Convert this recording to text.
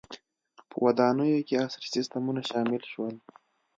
• په ودانیو کې عصري سیستمونه شامل شول.